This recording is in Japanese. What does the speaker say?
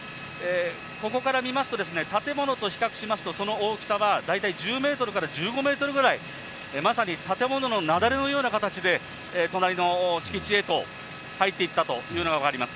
ここから見ますと、建物と比較しますと、その大きさは大体１０メートルから１５メートルくらい、まさに建物の雪崩のような形で隣の敷地へと入っていったというのが分かります。